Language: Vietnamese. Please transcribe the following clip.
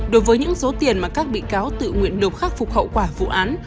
đối với những số tiền mà các bị cáo tự nguyện nộp khắc phục hậu quả vụ án